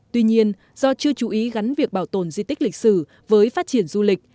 tuy nhiên do chưa chú ý gắn việc bảo tồn di tích lịch sử với phát triển du lịch